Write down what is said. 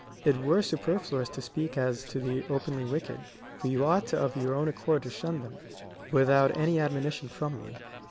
It were superfluous to speak as to the openly wicked, for 5^ou ought of your own accord to shun them, without any ad monition from me."